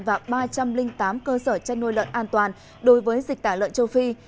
và ba trăm linh tám cơ sở chăn nuôi lợn an toàn đối với dịch tả lợn châu phi